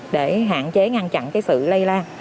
để hạn chế ngăn chặn sự lây lan